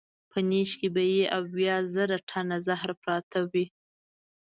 په نېښ کې به یې اویا زره ټنه زهر پراته وي.